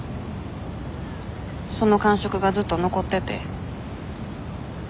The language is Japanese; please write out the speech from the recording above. その感触がずっと残ってて。